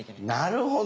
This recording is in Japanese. なるほど。